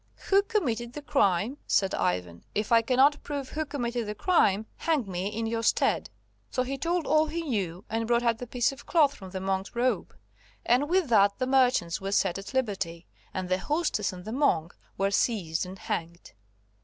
"Who committed the crime!" said Ivan. "If I cannot prove who committed the crime, hang me in your stead." So he told all he knew, and brought out the piece of cloth from the monk's robe, and with that the merchants were set at liberty, and the hostess and the monk were seized and hanged.